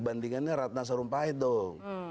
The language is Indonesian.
bandingannya ratna sarumpait dong